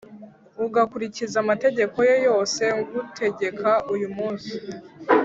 ugakurikiza amategeko ye yose ngutegeka uyu munsi,